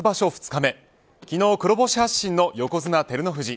２日目昨日黒星発進の横綱照ノ富士